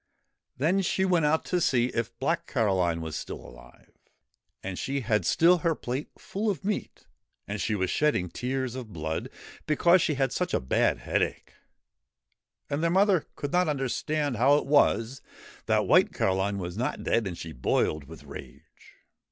Then she went out to see if Black Caroline was still alive. And she had still her plate full of meat, and she was shedding tears of blood, because she had such a bad headache. And their mother could not understand how it was that White Caroline was not dead, and she boiled with rage.